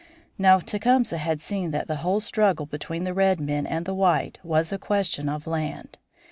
Now Tecumseh had seen that the whole struggle between the red men and the white was a question of land.